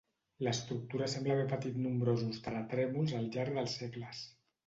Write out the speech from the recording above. L'estructura sembla haver patit nombrosos terratrèmols al llarg dels segles.